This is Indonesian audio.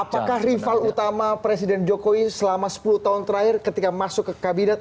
apakah rival utama presiden jokowi selama sepuluh tahun terakhir ketika masuk ke kabinet